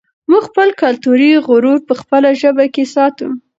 موږ خپل کلتوري غرور په خپله ژبه کې ساتو.